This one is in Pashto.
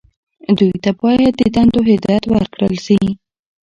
دوی ته باید د دندو هدایت ورکړل شي.